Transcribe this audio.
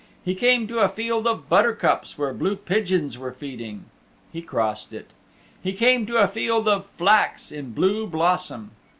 He came to a field of buttercups where blue pigeons were feeding. He crossed it. He came to a field of flax in blue blossom.